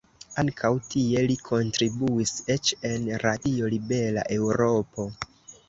Ankaŭ tie li kontribuis, eĉ en Radio Libera Eŭropo.